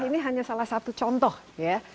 ini hanya salah satu contoh ya